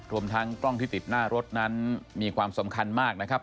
รวมทั้งกล้องที่ติดหน้ารถนั้นมีความสำคัญมากนะครับ